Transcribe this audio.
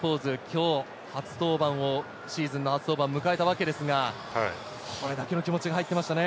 今日、シーズンの初登板を迎えたわけですが、これだけの気持ちが入っていましたね。